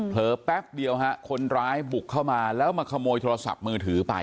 แป๊บเดียวฮะคนร้ายบุกเข้ามาแล้วมาขโมยโทรศัพท์มือถือไป